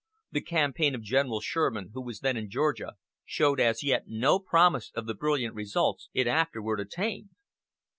The campaign of General Sherman, who was then in Georgia, showed as yet no promise of the brilliant results it afterward attained.